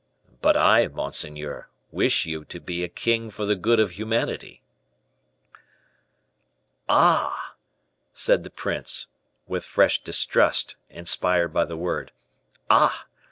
"But I, monseigneur, wish you to be a king for the good of humanity." "Ah!" said the prince, with fresh distrust inspired by the word; "ah!